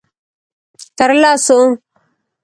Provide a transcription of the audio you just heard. _تر لسو.